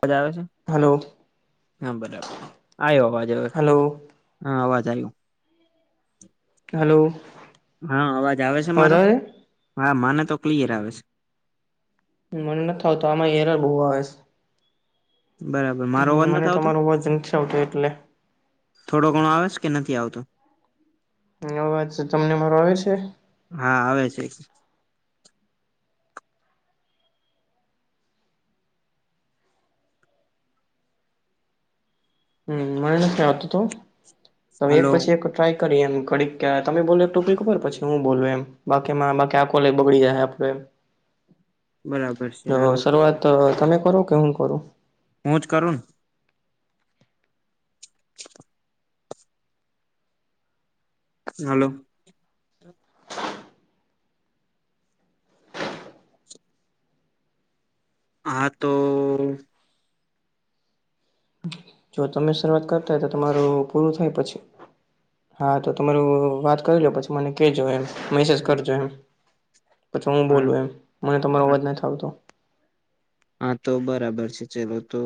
વાજ આવે છે હલો હા બરાબર આયો અવાજ અવે હલો હાં અવાજ આયો હલો હાં અવાજ આવે છે અવાજ મારો? આવે હાં મને તો ક્લિયર આવે છે. મને નથ આવતો આમાં એરર બઉ આવે છે બરાબર મારો અવાજ નથ મને આવતો? તમારો અવાજ નથી આવતો એટલે થોડો ઘણો આવે છ કે નથી આવતો? અવાજ તો તમને મારો આવે છે? હાં આવે છે હં મને નથી આવતું તું હવે એક હાલો પછી એક ટ્રાય કરીએ એમ ઘડીક કયા તમે બોલો ટોપિક પર પછી હું બોલું એમ બાકીમાં બાકી આ કોલે બગડી જાહે આપડે બરાબર છે હાલો તો કોલ તમે કરો કે હું કરું હું જ કરું ન હાલો હા તો જો તમે શરૂઆત કરતા હોય તો તમારું પૂરું થાય પછી હા તો તમારું વાત કરી લ્યો પછી મને કેજો એમ મેસેજ કરજો એમ પછી હું હા બોલું એમ મને તમારો અવાજ નથ આવતો હાં તો બરાબર છે ચલો તો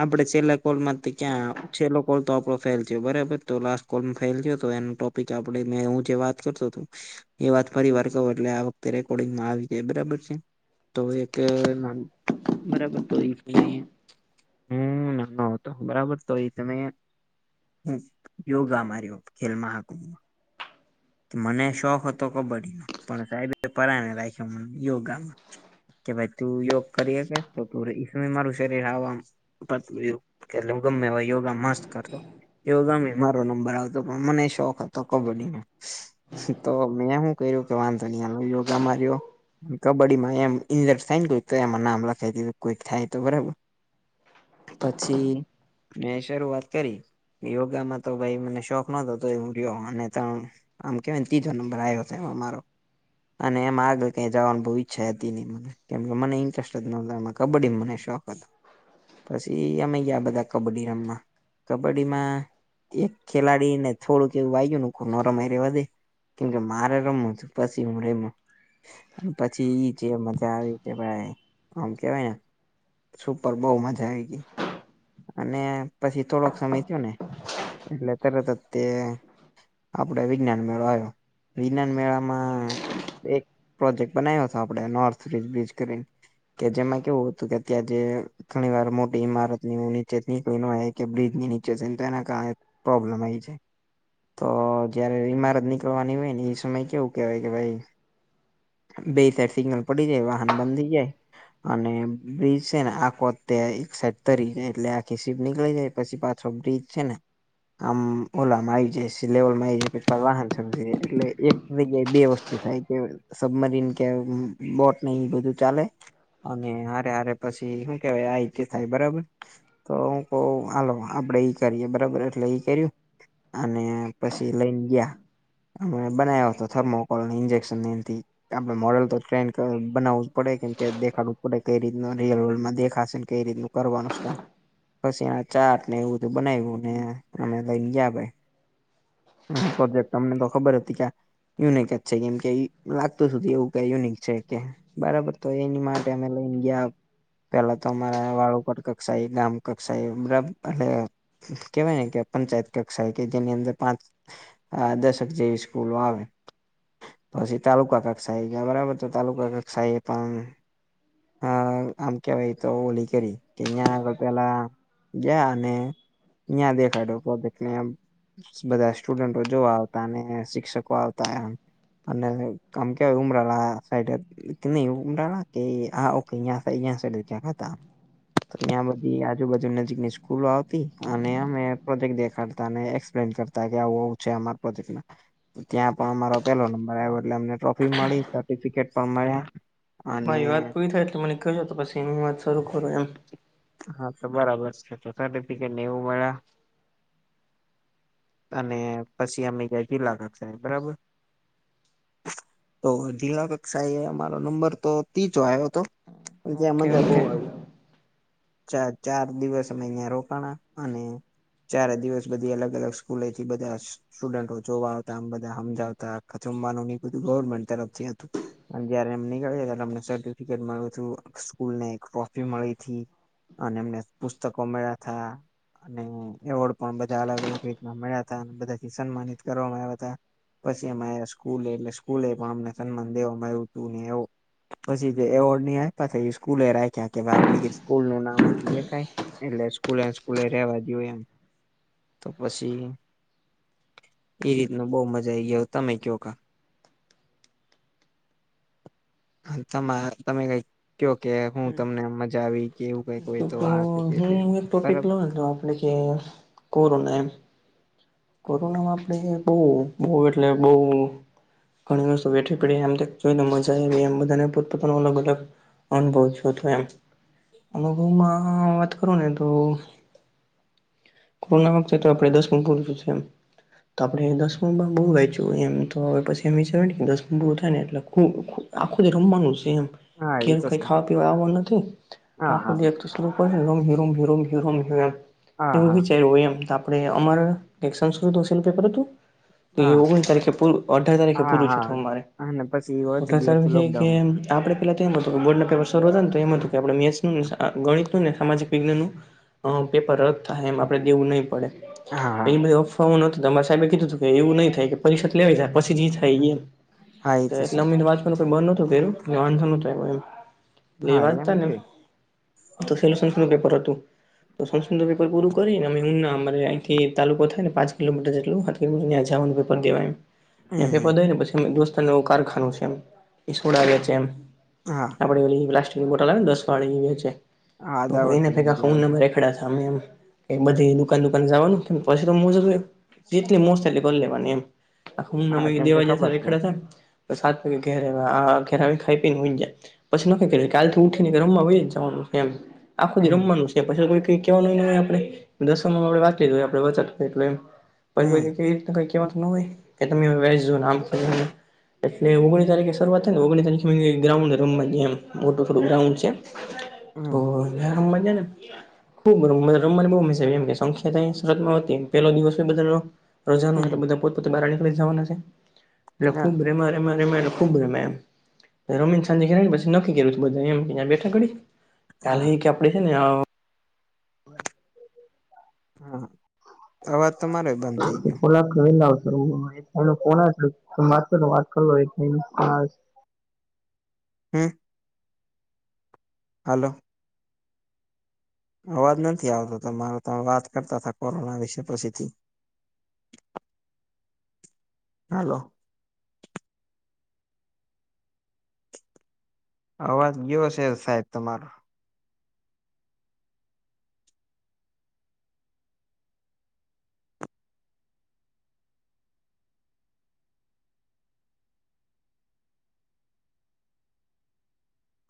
આપડે છેલ્લા કોલ માંથી ક્યાં છેલ્લો કોલ તો આપડો ફેલ થયો બરાબર તો લાસ્ટ કોલ ફેલ ગયો તો એનુ ટોપિક આપડે મે હું જે વાત કરતો તો એ વાત ફરી વાર કવ એટલે આ વખતે રેકોર્ડિંગમાં આવી જાય બરાબર છે. તો એક ના બરાબર તો એ જ લઈએ હું ના હં આવતો બરાબર તો એ તમે હું યોગામા રયો ખેલમાં મહા મને શોખ હતો કબડ્ડીનો પણ સાહેબે પરાણે રાયખો મને યોગામાં કે ભાઈ તું યોગ કરી હકે તો તું ર ઈ એમે મારું શરીર હાવ આમ પતલું એવુ એટલે ઉં ગમે એવા યોગા મસ્ત કરતો યોગામાય મારો નંબર આવતો પણ મને શોખ હતો કબડ્ડીનો તો મેં હું કયરુ કે વાંધો ની હાલો યોગામાં રયો કબડ્ડીમાંપ એમ ઇન્જર થાય ને કોઇક તો એમાં નામ લખાય દીધું કોઈક થાય તો બરાબર પછી મેં શરૂઆત કરી યોગામાં તો ભાઈ મને શોખ નતો તોએ ઉં રયો અને તણ આમ કેવાય ને તીજો નંબર આયવો તેમા મારો અને એમાં આગળ કઇ જાવાની બો ઈચ્છાય અતી નઈ મને કેમ કે મને ઇન્ટરેસ્ટ જ નતો એમાં કબડ્ડીમાં મને શોખ હતો પસી અમે ગયા બધા કબડ્ડી રમવા કબડ્ડીમાં એક ખેલાડી ને થોડુંક એવું વાયગુ ને કો રમે રેવા દે કેમકે મારે રમવું છે પસી ઉં રયમો પછી ઇ જે મજા આવી કે ભાઈ આમ કેવાય ને સુપર બઉ મજા આવી તી અને પછી થોડોક સમય થયો ને એટલે તરત જ તે આપડે વિજ્ઞાન મેળો આયવો વિજ્ઞાન મેળામાં એક પ્રોજેક્ટ બનાયવો તો આપડે નોર્થિજ બ્રિજ કરીને કે જેમાં કેવું હતું કે ત્યાં જે ઘણી વાર મોટી ઈમારત ઇનું નીચે [unintelligible] બ્રિજ ની નીચે છેને તો એને કાંઈ પ્રોબ્લેમ આયી છે તો જયારે ઈમારત નીકળવાની હોય ને ઇ સમય કેવું કેવાય કે ભાઈ બે ચાર સિગ્નલ પડી જાય વાહન બંધ થઈ જાય અને બ્રિજ છે ને આખો તે એક સાઇટ તરી જાય એટલે આખી શીપ નીકળી જાય પછી પાછો બ્રિજ છે ને આમ ઓલામાં આવી જાય સી લેવલમાં આઈ જાય પછી [unintelligible] વાહન શરૂ એટલે એક [unintelligible] જાય બે વસ્તુ થાય કે સબમરીન કે બોટ ને ઈ બધું ચાલે અને હારે હારે પછી હું કેવાય આઈ તે થાય બરાબર તો હું કઉ હાલો આપડે ઈ કરીએ બરાબર એટલે ઈ કર્યું અને પછી લઈન ગયા બનાવો તો થર્મોકોલ ને ઇન્જેક્શન ને એનથી આપડે મોડલ તો ટ્રેન્ડ ક બનાવવું જ પડે કેમ કે દેખાડવું જ પડે કઈ રીતના રીયલ રોલમાં દેખાશે ને કઈ રીતનુ કરવાનું છે કામ પછી એણે ચાર્ટને એવુ ધુ બનાયવુ ને અમે તઈન ગ્યા પહી અને પ્રોજેક્ટ તો અમને તો ખબર હતી કે આ યુનિક જ છે કેમ કે ઈ લાગતું તુ એવું કઈક યુનિક છે કે બરાબર તો એની માટે અમે લઈન ગ્યા પેલા તો અમારા વાળુ પર કક્ષાએ ગામ કક્ષાએ [unintelligible] કેવાય ને કે પંચાયત કક્ષા કે તેની અંદર પાંચ અ દશેક જેવી સ્કૂલો આવે પછી તાલુકા કક્ષા આવી ગયા બરાબર તો તાલુકા કક્ષાએ એ પણ હા આમ કેવાય તો ઓલી કરી કે અહિયાં આગળ પેલા ગયા અને અહિયાં દેખાડ્યોને [inaudible] બધા સ્ટુડન્ટો જોવા આવતા અને શિક્ષકો આવતા એમ અને કમ કે ઉમરાલા સાઈડે નઈ એ ઉમડાડા કે આ ઓકે અિયાં અયા સાયા હતા ત્યાં બધી આજુબાજુ નજીકની સ્કૂલો આવતી અને અમે પ્રોજેક્ટ દેખાડતા અને એક્સપ્લેન કર તા કે આવું આવું છે અમારા પ્રતીકના ત્યાં પણ અમારા પેલો નંબર આવ્યો એટલે અમને ટ્રોફી મળી સર્ટિફિકેટ પણ મળ્યા અને તમારી વાત પૂરી થાય એટલે મને કહજો તો પછી હું વાત શરૂ કરૂ એમ હા તો બરાબર છે તો સરટીફિકેટ નેવું મળ્યા અને પછી અમે ગયા જિલ્લા કકસાએ બરાબર તો જિલ્લા કક્ષાએ અમારો નંબર તો તીજો આવ્યો હતો અને ત્યાં ઓકે મજા બહુ ઓકે આવી ચા ચાર દિવસ અમે અહિયાં રોકાણા અને ચારે દિવસ બધી અલગ અલગ સ્કૂલેથી બધા સ્ટુડન્ટો જોવા આવતા આમ બધા હમજાવતા જમવાનું ને બધું ગવર્મેન્ટ તરફથી હતું જયારે એમ નીકળીયા અમને સર્ટિફિકેટ મળું છું સ્કૂલને એક તિ મળીથી અને એમને પુસ્તકો મળ્યા થા અને એવોર્ડ પણ બધા અલગ અલગ રીતે મળ્યા હતા અને બધાથી સન્માનિત કરવામાં અયવા તા પછી એમાં સ્કૂલ એટલે સ્કૂલ એમાં અમને સન્માન દેવામાં આયવું હતું એવુ પછી જે એવોર્ડ ને આપ્યા તા સ્કૂલે રાખ્યા કે આપડી સ્કૂલ નું નામ ઓછું દેખાય એટલે સ્કૂલે સ્કૂલે રેવા જો એમ તો પછી એ રીતનું બો મજા આઈ ગયો તમે કયો કા તમા તમાર તમે કઈ કયો કે હું તમને મજા આવી કે એવું કઈ તો હું એક ટોપિક લઉ હતો આપણે કે કોરોના એમ કોરોનામાં આપડે બઉ બઉ એટલે બઉ ઘણી વસ્તુ વઠી પડી એમ જોઈને મજા આવી એમ બધાને પોતપ પોતાનો અલ અલગ અનુભવ ઓછો હતો એમ અનુભવમાં વાત કરું ને તો કોરોના વખતે તો આપડે દસ [inaudible] એમ તો આપડે દસમોમાં બઉ વાયચુંએમ તોવે પછી દસ ઉભું થાય ને એટલે આખું જ રમવાનું છે એમ હા એ કેમ તો કઈ શું ખાવા પીવા આવ નથી હા આપું હા દેખતો હરોમ હરોમ હરોમ હમ હા એવું હા વિચાર્યું એમ આપડે અમાર એક સંસ્કૃતનું સેનું પેપર હતું. તો એ હા ઓગણીસ તારીખે પૂરું અઢાર તારીખે હા પૂરું છે હા તોું મારે અને પછી વધુ અઢાર દિવસ તારીખે છે લોકડાઉન કે આપડે પેલા તો એમ હતું કે બર્ડના પેપર્સ [inaudible] ને તો એમ હતું કે આપણે મેથ્સનું આ ગણિતનું સામાજિક વિજ્ઞાન નું અ પેપર રદ થાહે એમ આપડે દેવું નહી પડે. હા હા એ બધી અફવાઓ ન અમારા સાહેબે કીધું તું કે એવું થાય કે પરીક્ષા લેવાય જાય પછી જી થાયઈ એમ હા એ ત તો છે એટલેમા વાંચવાનું મેં બંધ નોતું કર્યું ને વાંધો નતો આયો એમ હા લેવા એમ જતાને કે તો સેલુ સંસ્કૃતનું પેપર હતું તો સંસ્કૃતનું પેપર પૂરું કરીને હું ના અમારે અયથી તાલુકો થાય ને પાંચ કિલોમીટર જેટલુ [inaudible] જવાનું પેપર દેવા એમ ત્યાં પેપર હમ દયને પછી દોસ્તારનું એવું કારખાનું છે એમ ઈ સોડા વેચે એમ હા આપણે ઓલી પ્લાસ્ટિકની બોટલ આવે ને દસ વારી એ વેચે હા તો ઈ દાવત એને ની બધી આવે છે ભેગા રેખડા તા એમ કે બધી દુકાન દુકાન જવાનું કે પછી તો જેટલી મોસ્ત એટલી કરી લેવાની એમ આ હું નમ હા કેમ કે દેવાજ ખબર છે રેખડા થ સાત વાગે ઘેરે આવીને ખાઈ પીને હુઈ ગયા પછી નક્કી કરી કાલ થી ઉઠી ને રમવા વયા જવાનું એમ આખું દિ થી હમ રમવાનું છે પછી કોઈ કઈ કેવાયનું નય આપે દશમમાં આપણે વાત લીધું [inaudible] હમ કેવાનું તો નો હોય કે તમે વય [inaudible] એટલે ઓગણીસ તારીખે શરૂઆતથી ને ઓગણી તારીખે ગ્રાઉન્ડ રમવા જેમ મોટું થોડું ગ્રાઉન્ડ છે. તો હમ રમવા ને ખૂબ રમવાની બોવ મજા આયી સંખ્યા તયાં [inaudible] પેલો દિવસે હમ બધા [inaudible] પોતપોતે બહાર નીકળી જવાના છે એટલે હા ખૂબ રમ્યા રમ્યા ખૂબ રમ્યા એમ રમીન સાંજે ને પછી નક્કી કર્યું તું એમ બીજા બેઠા ઘડીક કાલ હા હિ કે આપડે હેન અ [inaudible] અવાજ તમારો બંધ થઈ ગયો થોડાક વેલા આવતું રેવાનું આય [inaudible] [inaudible] હમ હાલો અવાજ નથી આવતો તમારો તમે વાત કરતા તા કોરોના વિશે પછીથી હાલો અવાજ ગયો છે સાહેબ તમારો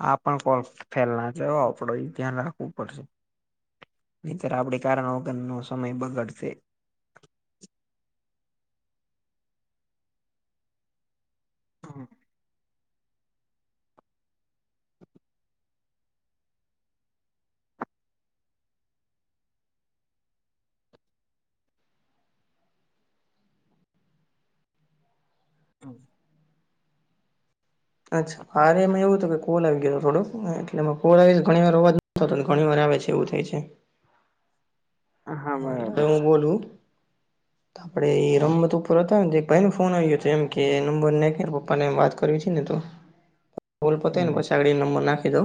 આ પણ કોલ ફેલના જાય હો એ આપડ ધ્યાન રાખવું પડશે. નીતર આપણી કારણવગરનો સમય બગડશે. [inaudible] અચ્છા અરે એમાં એવું હતું કે કોલ આવી ગયો હતો થોડો એટલેમાં કોલ આવી ઘણી વાર અવાજ નતો ઘણી વાર આવે છે એવું થાય છે. એમ [inaudible] હા બરાબર છે હવું બોલું [inaudible] આપણેે એ હા રમત ઉપર હતાને એક ભાઈ ને ફોન આવ્યો હતો એમ કે નંબર નાખ પપ્પાને એમ વાત કરવી છે નેતો કોલ પતાય ને હમ પછી આગળ નંબર નાખી દવ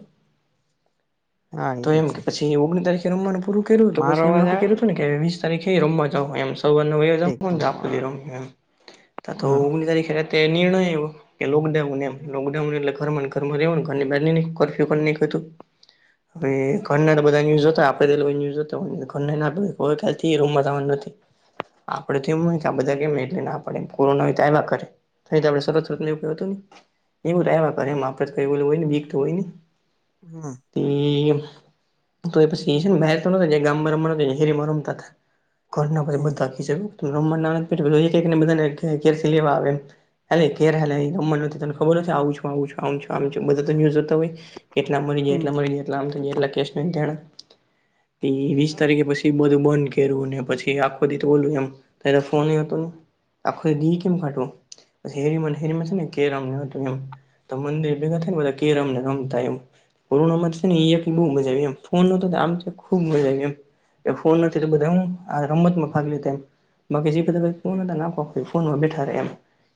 હા એ તો એમ છે કે પછી ઓગણી તારીખે રમવાનું પૂરું કર્યું તો મારો પછી એમ અવાજ નક્કી આવે કર્યું છે હતુંને કે વીસ તારીખે રમવા જાહુ એમ સૌવારના વયા ઠીક જાહુ આખો હા દી રમશું એમ તા તો [inaudible] તે નિર્ણય આયો કે લોકડાઉન એમ [inaudible] ડાઉન એલે ઘરમાં ઘરમાં રહેવાનું ઘરની બાર [inaudible] ઘરના તો બધા ન્યૂઝ હતા આપડે [inaudible] [unintelligible] આપડે તો એમ હોય કે આ બધા કેમ એટલે ના આપડે કોરોના હોય તો આવ્યા કરે નહી તો આપણે [unintelligible] એવું હતું ને એવું તો આયવા કરે એમ આપે તો કઈ હોય નય બીક તો હોય નય [inaudible] હા એમ તો પછી એ છે ને મેતો નતગયો ગામ માં રમવા નતો ગયો હેરી મર રમતા હતા ઘરના બ હમ બધા ખિજાય તુ રમવા ના આવે [unintelligible] એક એક ને બધાને ઘેર ઘેર થી લેવા આવે હાલ એય ઘેર હાલ રમવાનું નથી તને ખબર નથી આવું છુ આવું છું આવુ છું આવુ છુ બધા તને જોતા હોય કેટલા મરી જાય એટલા હમ મરી જાય એટલા આમ થય જાય એટલા કેસ નોંધાણા એ વીસ તારીખે પછી બધું બંધ કયરુ ને પછી આખો દી તો ઓલું એમ ત્યારે તો ફોને હતો નઈ આખો દી કેમ કાઢવો પછી હેરીમાં ને હેરીમા છે ને કેરમ ને હતુ એમ તો મંદિર ભેગા થાયને બધા કેરમ ને રમતા એમ કોરોનામાં છે ને ઈ એક બઉ મજા આયવી એમ ફોન નતો તો આમ ખુબ મજા આયવી એમ કે ફોન નથી તો બધા હું આ રમતમાં ભાગ લેતા એમ બાકી જે બ હમ [unintelligible] ફોનમાં બેઠા રે એમ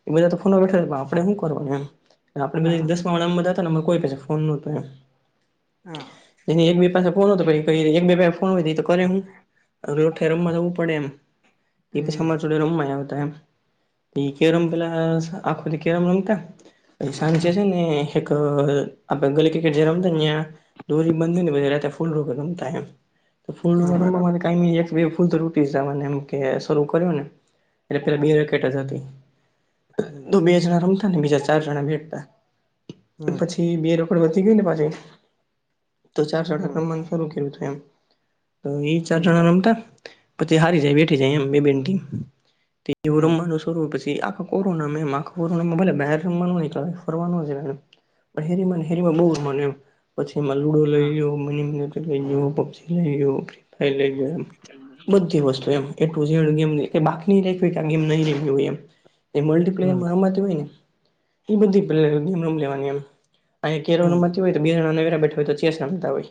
એ બધા તો ફોનમાં બેઠા રે પણ આપણે હું કરવાનું એમ આપડે હા બધા દસમાંં વાળા અમ બધા હતા અમાર કોઇ પાસે કોઈ ફોન નોતો એમ હા એની એક બે પાસે ફોન હતો તો પછી એક બે પાસે ફોન હોય તો એ કરે હું [unintelligible] એ પછી હમ અમારે જોડે રમવાય આવતા એમ ઈ કેરમ પેલા આખો દિ કેરમ રમતા અને સાંજે હમ છે ને એક આપણે ગલી ક્રિકેટ જે રમ તા ન્યા દોરી બાંધી ને પહી રાતે ફુલ રોકેટ રમતા એમ તો ફૂલ હા રોકેટ રમવા બરાબર માટે કાયમી એક બે ફૂલ તો રૂટી જાવાના એમ કે શરૂ કર્યો ને એટલે પેલા બે રેકેટ જ હતું હમ તો બે જણા રમતા ને બીજા ચાર જણા બેઠતા હમ પછી બે રો પણ વધી ગ્યુ ને પાછુ એક તો ચાર જણા ને હમ રમવાનું શરૂ કયરુ તું એમ તો ઈ ચાર જણા બરાબર રમતા પછી હારી જાય બેઠી જાય એમ બે બે ની હમ ટીમ [unintelligible] પછી આખો કોરોનામા એમ આખો કોરોનામા ભલે બાર રમવા ન નીકડાય ફરવા નો જવાય એમ પણ હેરીમાં ને હેરીમાં બઉ રમવાનું એમ પછી એમાં લુડો લઈ હા લ્યો મનીમેટર લઈ ગયો પબજી લઈ લ્યો [unintelligible] એમ બધી વસ્તુ એમ એ ટુ ઝેડ ગેમની કાંઇ બાકી નય રાયખુ કે આ ગેમ નય રયમા હોય એમ એ મલ્ટી પ્લેયર હમ માં રમાતી હોય ને એ બધી પ્ર રમી લેવાની એમ અઈયા કેરમ હમ રમાતી હોય તો બે જણા નવરા બેઠા હોય તો ચેસ રમતા હોય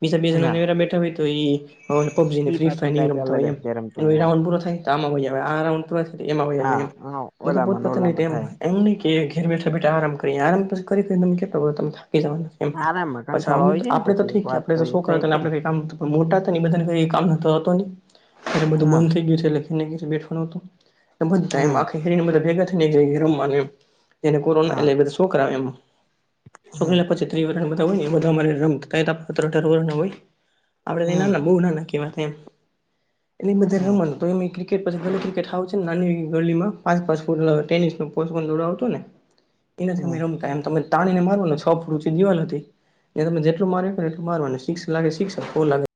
બીજા બે જણા હા નવરા બેઠા હોય તો ઈ હવારે પબજીને ઈ ફ્રી ફાયર પાછું ની ઈ કઈક રમતા અલગ જ હોય એમ તે રમતું એનોય હોય રાઉન્ડ પૂરો થાય આમાં વહી આવે આ રાઉન્ડ પૂરો થાય તો એમાં વયા જાય એમ હા બધા પોત ઓલામાં ને પોતાની ઓલામાં ટેમ થાય એમ નઈ કે ઘેર બેઠા બેઠા આરામ કરીએ આરામ પછી કરી કરીને તમે કેટલો કરો તમે થાકી જાવ એમ આરામમાં પસી કંટાળો અમને હોય તો છે ને આપડે તો પછી ઠીક કે વાત આપડે તો એ છોકરાઓ થાય અતા એટલે છે આપડે ને કઈ કામ મોટા હતા ને બધાને કંઈ કામ ધંધો અતો નઈ બધું હા બંધ થઈ ગયું છે એટલે [unintelligible] બધા યે હમ આખી હેરીને ભેગા થય ને રમવાનું એમ એને કોરોના હા એટલે બધા શોકરા એમ હમ છોકરીને પછી તો એ બધાય બધા હોય એ બધા અમારી હારે રમતા ત્યારે તો હતર અઢાર વરહના હોય આપણાથી હમ નાના બઉ નાના કહેવાતા એમ એટલે બધાય હમ રમવાનું તો એમ એ ક્રિકેટ પછી ગલી ક્રિકેટ હાવ છે ને નાની ગલીમાં પાંચ પાંચ ફૂટ ના ટેનિસ નો પોચો દડો આવતો ને [inaudible] એનાથી અમે રમતા એમ તમે તાણીને મારોને છ ફૂટ એ દીવાલ હતી ને તમે જેટલું મારી હકોને એટલું મારવાનું સિક્સ લાગે તો સિકસ ને ફોર લાગે